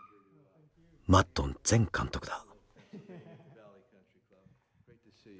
マッドン前監督だ。